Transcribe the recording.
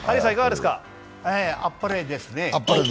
あっぱれですね。